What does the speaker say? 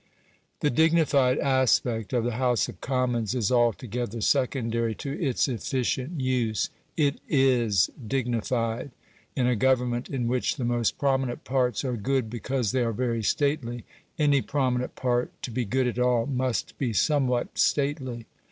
] The dignified aspect of the House of Commons is altogether secondary to its efficient use. It IS dignified: in a Government in which the most prominent parts are good because they are very stately, any prominent part, to be good at all, must be somewhat stately.